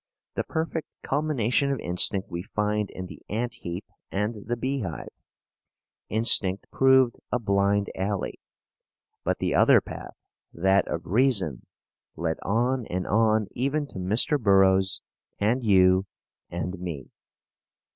The perfect culmination of instinct we find in the ant heap and the beehive. Instinct proved a blind alley. But the other path, that of reason, led on and on even to Mr. Burroughs and you and me.